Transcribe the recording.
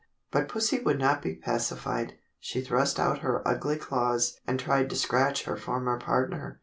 But Pussie would not be pacified. She thrust out her ugly claws and tried to scratch her former partner.